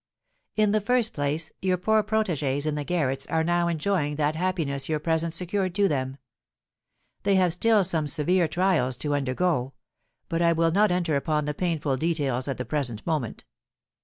In the first place your poor protégées in the garrets are now enjoying that happiness your presence secured to them. They have still some severe trials to undergo; but I will not enter upon the painful details at the present moment.